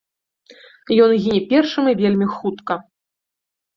Ён гіне першым і вельмі хутка.